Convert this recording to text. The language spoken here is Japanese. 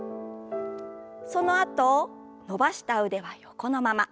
そのあと伸ばした腕は横のまま。